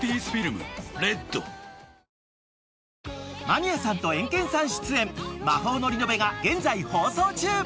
［間宮さんとエンケンさん出演『魔法のリノベ』が現在放送中］